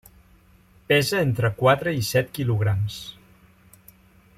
Pesa entre quatre i set quilograms.